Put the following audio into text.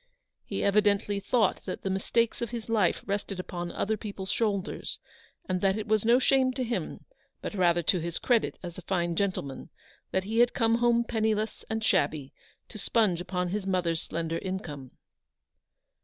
He evidently thought that the mistakes of his life rested upon other people's shoulders ; and that it was no shame to him, but rather to his credit as a fine gentleman, that he had come home penniless and shabby to sponge upon his mother's slender income.